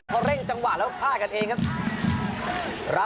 เขาเร่งจังกว่าแล้วพลาดกันเองครับ